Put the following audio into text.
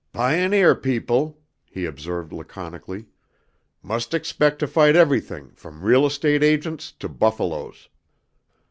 "Pioneer people," he observed laconically, "must expect to fight everything from real estate agents to buffaloes."